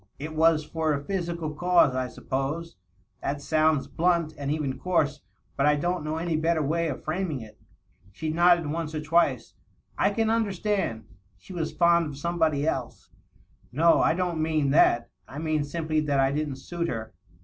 It was for a physical cause, I suppose. That sounds blunt, and even coarse. But I don't know any better way of framing it." She nodded once or twice. " I can understand. .. She was fond of somebody else." " No ; I don't mean that. I mean simply that I didn't suit her.